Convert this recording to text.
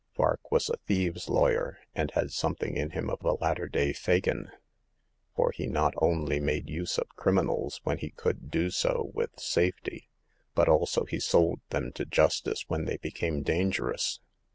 Vark was a thieves' lawyer, and had something in him of a latter day Fagin ; for he not only made use of criminals when he could do so with safety, but also he sold them to justice when they became dangerous.